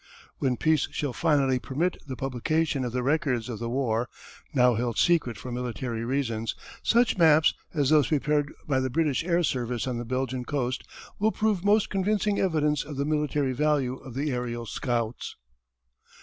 When peace shall finally permit the publication of the records of the war, now held secret for military reasons, such maps as those prepared by the British air service on the Belgian coast will prove most convincing evidence of the military value of the aërial scouts.